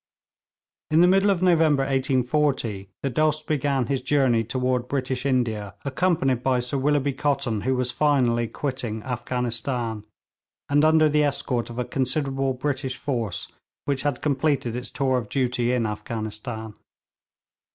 In the middle of November 1840 the Dost began his journey toward British India, accompanied by Sir Willoughby Cotton, who was finally quitting Afghanistan, and under the escort of a considerable British force which had completed its tour of duty in Afghanistan.